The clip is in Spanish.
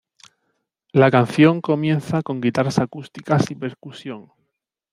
La canción comienza con guitarras acústicas y percusión.